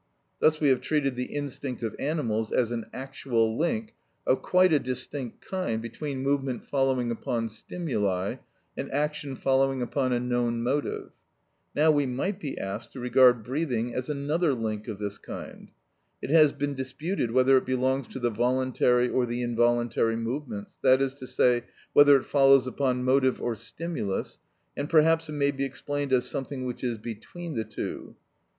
Thus we have treated the instinct of animals as an actual link, of quite a distinct kind, between movement following upon stimuli, and action following upon a known motive. Now we might be asked to regard breathing as another link of this kind. It has been disputed whether it belongs to the voluntary or the involuntary movements, that is to say, whether it follows upon motive or stimulus, and perhaps it may be explained as something which is between the two.